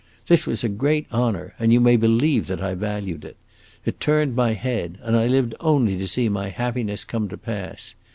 This was a great honor, and you may believe that I valued it. It turned my head, and I lived only to see my happiness come to pass.